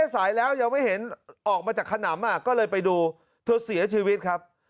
สายแล้วยังไม่เห็นออกมาจากขนำก็เลยไปดูเธอเสียชีวิตครับ